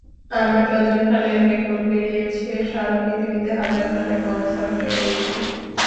আমার ডজন খানেক রেকর্ড বেরিয়েছে, সারা পৃথিবীতে হাজার খানেক কনসার্টে গেয়েছি।